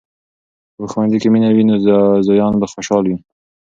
که په ښوونځي کې مینه وي، نو زویان به خوشحال وي.